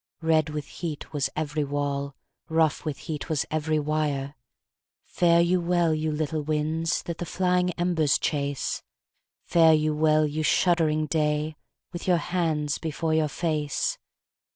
Red with heat was every wall, Rough with heat was every wire "Fare you well, you little winds That the flying embers chase! Fare you well, you shuddering day, With your hands before your face!